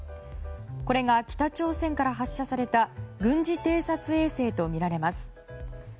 これが、北朝鮮から発射された軍事偵察衛星とみられます。